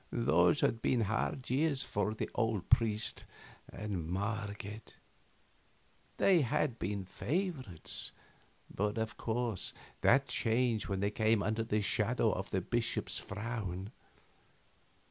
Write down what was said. Those had been hard years for the old priest and Marget. They had been favorites, but of course that changed when they came under the shadow of the bishop's frown.